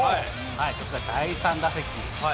こちら、第３打席。